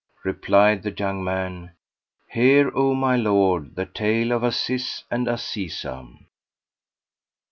Replied the young man: "Hear, O my Lord, the Tale of Aziz and Azizah.